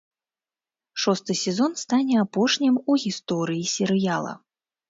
Шосты сезон стане апошнім у гісторыі серыяла.